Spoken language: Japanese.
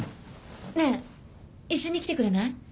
ねえ一緒に来てくれない？